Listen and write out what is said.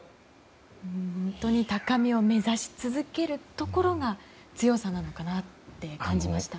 本当に高みを目指し続けるところが強さなのかなって感じました。